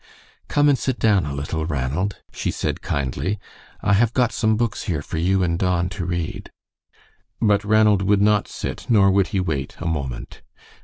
"Come and sit down a little, Ranald," she said, kindly; "I have got some books here for you and Don to read." But Ranald would not sit, nor would he wait a moment.